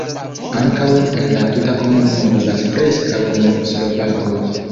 Ankaŭ en la tuta komunumo vivas preskaŭ nur slovakoj.